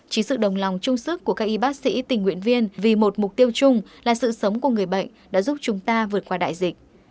chỉ sự đồng lòng trung sức của các y bác sĩ tình nguyện viên vì một mục tiêu chung là sự sống của người bệnh đã giúp chúng ta vượt qua đại dịch